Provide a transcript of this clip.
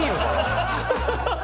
ハハハハ！